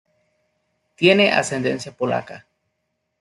Tiene ascendencia polaca.